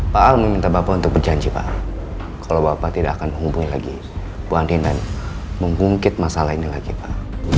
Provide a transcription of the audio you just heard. pak al meminta bapak untuk berjanji pak kalau bapak tidak akan menghubungi lagi bu ani dan mengungkit masalah ini dengan kita